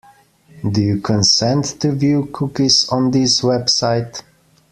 Do you consent to view cookies on this website?